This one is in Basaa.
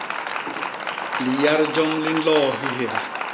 Liyat joñ li nloo hihéga.